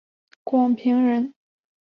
广平酂人。